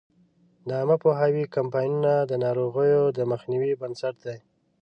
د عامه پوهاوي کمپاینونه د ناروغیو د مخنیوي بنسټ دی.